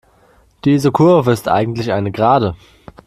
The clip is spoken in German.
Diese Kurve ist eigentlich eine Gerade.